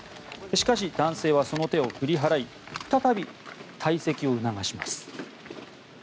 しかし、男性はその手を振り払い再び退席を促します。